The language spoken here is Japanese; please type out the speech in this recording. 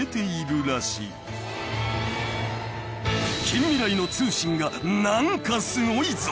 ［近未来の通信が何かすごいぞ！］